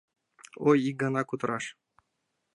Ой, ик гана кутыраш!